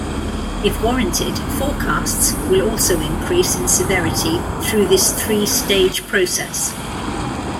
If warranted, forecasts will also increase in severity through this three-stage process.